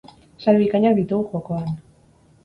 Sari bikainak ditugu jokoan!